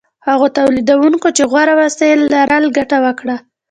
هغو تولیدونکو چې غوره وسایل لرل ګټه وکړه.